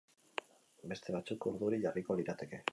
Beste batzuk urduri jarriko lirateke.